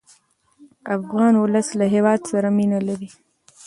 افغان ولس له خپل هېواد سره مینه لري.